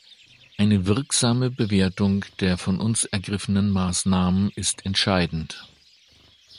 Eine wirksame Bewertung der von uns ergriffenen Maßnahmen ist entscheidend.